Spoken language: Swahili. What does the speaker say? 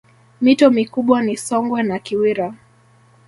Mito mikubwa ni Songwe na Kiwira